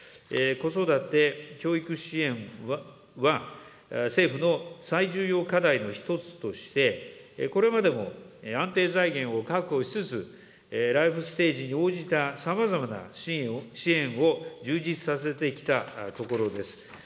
子育て・教育支援は政府の最重要課題の一つとして、これまでも安定財源を確保しつつ、ライフステージに応じた、さまざまな支援を充実させてきたところです。